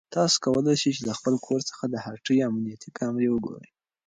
تاسو کولای شئ چې له خپل کور څخه د هټۍ امنیتي کامرې وګورئ.